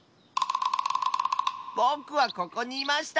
ぼくはここにいました！